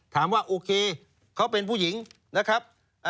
ถามว่าโอเคเขาเป็นผู้หญิงนะครับ